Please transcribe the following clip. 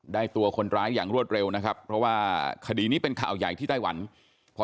แล้วก็อยากให้เขาพูดจริง